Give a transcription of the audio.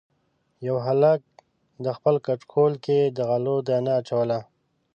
یوه هلک د خپلو کچکول کې د غلو دانه اچوله.